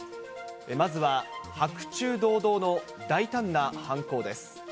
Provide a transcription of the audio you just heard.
まずは白昼堂々の大胆な犯行です。